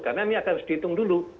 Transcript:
karena ini harus dihitung dulu